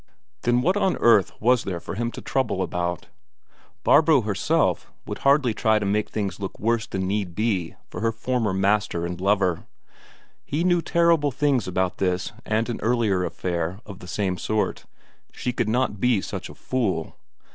Then what on earth was there for him to trouble about? Barbro herself would hardly try to make things look worse than need be for her former master and lover; he knew terrible things about this and an earlier affair of the same sort; she could not be such a fool.